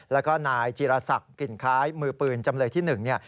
แล้วก็นายจีรศักดิ์กลิ่นคล้ายมือปืนจำเลยที่๑